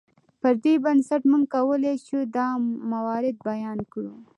پر دې بنسټ موږ کولی شو دا موارد بیان کړو.